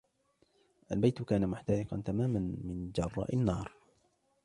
البيت كان محترقاً تماماً من جراء النار.